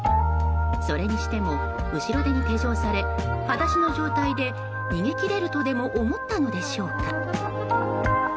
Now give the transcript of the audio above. それにしても後ろ手に手錠されはだしの状態で逃げ切れるとでも思ったのでしょうか。